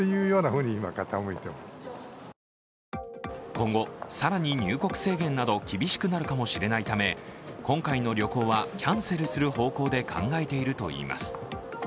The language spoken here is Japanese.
今後、更に入国制限など厳しくなるかもしれないため今回の旅行はキャンセルする方向で考えているといいます。